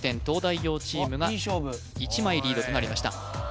東大王チームがあっいい勝負１枚リードとなりました